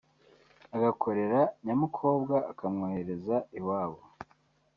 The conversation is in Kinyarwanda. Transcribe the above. agakorera nyamukobwa akamwohereza iwabo